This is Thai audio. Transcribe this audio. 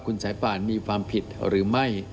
คุณสายป่านมีความผิดหรือไม่